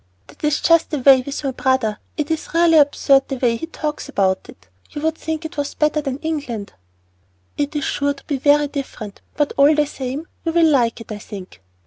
"That is just the way with my brother. It's really absurd the way he talks about it. You would think it was better than England!" "It is sure to be very different; but all the same, you will like it, I think."